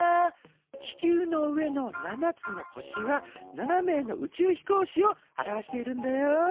地球の上の７つの星は７名の宇宙飛行士を表しているんだよ。